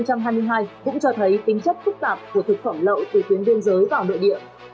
cũng cho thấy tính chất phức tạp của thực phẩm lậu từ tuyến biên giới vào nội địa